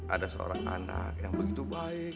ada seorang anak yang begitu baik